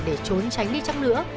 để trốn tránh đi chắc nữa